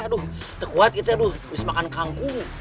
aduh tekuat gitu ya habis makan kangkung